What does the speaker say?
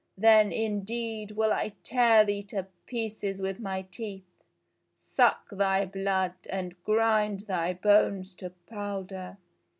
Then, indeed, will I tear thee to pieces with my teeth, suck thy blood, and grind thy bones to powder."